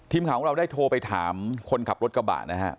ทีมข่าวของเราได้โทรไปถามคนขับรถกระบะนะครับ